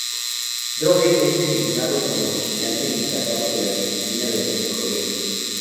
Droguett es designado como vigilante y encargado de la disciplina dentro del colegio.